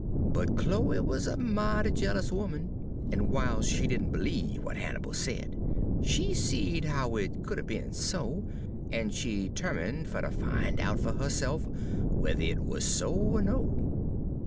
But Chloe wuz a mighty jealous 'oman, en w'iles she didn' b'liebe w'at Hannibal said, she seed how it could 'a' be'n so, en she 'termine' fer ter fin' out fer herse'f whuther it wuz so er no.